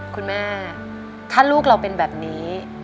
คุณแม่ถ้าลูกเราเป็นแบบนี้